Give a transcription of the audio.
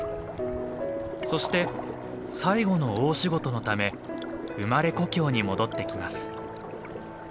そして最後の大仕事のため生まれ故郷に戻ってきます。